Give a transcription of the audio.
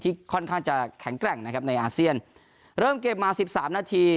ค่อนข้างจะแข็งแกร่งนะครับในอาเซียนเริ่มเกมมาสิบสามนาที